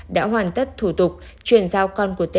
đã hoàn tất thủ tục chuyển giao con của t